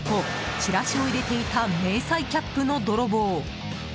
チラシを入れていた迷彩キャップの泥棒。